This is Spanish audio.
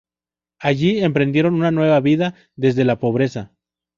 Allí emprendieron una nueva vida, desde la pobreza.